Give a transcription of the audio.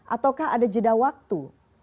ataukah ada jeda waktu